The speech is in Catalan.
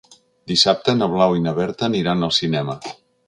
Dissabte na Blau i na Berta aniran al cinema.